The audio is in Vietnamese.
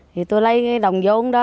thì tôi lấy cái đồng vô đó